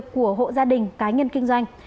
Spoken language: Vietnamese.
của hộ gia đình cá nhân kinh doanh